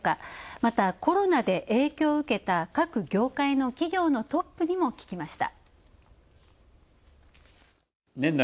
またコロナで影響を受けた各業界の企業のトップにも聞きました。